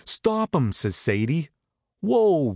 Stop 'em!" says Sadie. "Whoa!